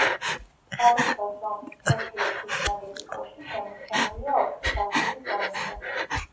სხვადასხვა ზომის ფლეთილი ქვით ნაგები კოშკი შემორჩენილია ოთხი სართულის დონეზე.